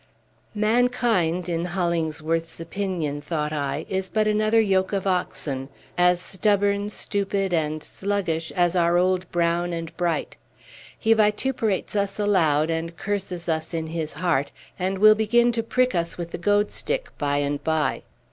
"Mankind, in Hollingsworth's opinion," thought I, "is but another yoke of oxen, as stubborn, stupid, and sluggish as our old Brown and Bright. He vituperates us aloud, and curses us in his heart, and will begin to prick us with the goad stick, by and by.